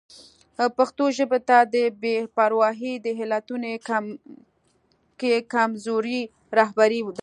پښتو ژبې ته د بې پرواهي د علتونو کې کمزوري رهبري ده.